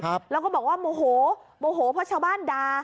แล้วก็บอกว่าโมโหโมโหเพราะชาวบ้านด่า